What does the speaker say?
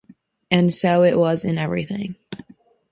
And so it was in everything.